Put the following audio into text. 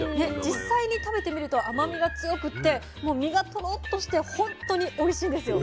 実際に食べてみると甘みが強くってもう身がトロッとして本当においしいんですよ。